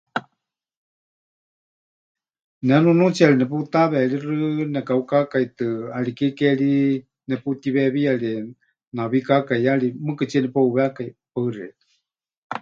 Ne nunuutsiyari neputaweeríxɨ nekaheukaakaitɨ, ʼariké ke ri neputiweewiyarie nawí kaakaiyari, mɨɨkɨtsíe nepeuwekai. Paɨ xeikɨ́a.